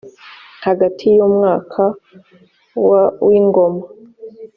hagati y umwaka wa w ingoma